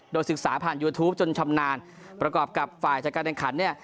โดยศึกษาผ่านยูทูปจนชำนาญประกอบกับฝ่ายจัดการแข่งขันเนี่ย